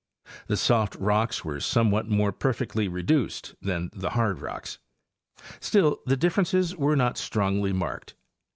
The soft rocks were somewhat more perfectly reduced than the hard rocks. Still the differences were not strongly marked.